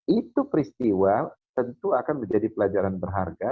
itu peristiwa tentu akan menjadi pelajaran berharga